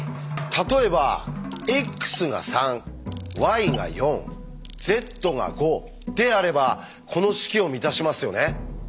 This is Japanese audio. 例えば「ｘが３ｙが４ｚが５」であればこの式を満たしますよね。